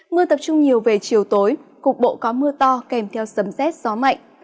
mưa tập trung nhiều về chiều tối cục bộ có mưa to kèm theo sấm rét gió mạnh